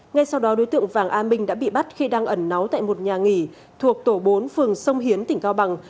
ngay sau đó đối tượng vàng a minh đã bị bắt khi đang ẩn náu tại một nhà nghỉ thuộc tổ bốn phường sông hiến tỉnh cao bằng